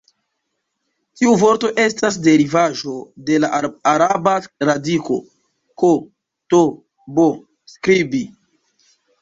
Tiu vorto estas derivaĵo de la araba radiko "k-t-b" 'skribi'.